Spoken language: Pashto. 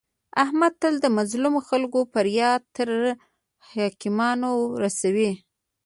احمد تل د مظلمو خلکو فریاد تر حاکمانو رسوي.